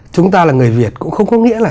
chúng ta là người việt cũng không có nghĩa là